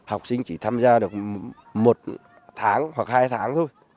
học sinh chỉ tham gia được một tháng hoặc hai tháng thôi